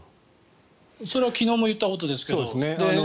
それは昨日も言ったことですけど。